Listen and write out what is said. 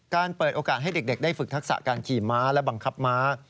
เปิดโอกาสให้เด็กได้ฝึกทักษะการขี่ม้าและบังคับม้า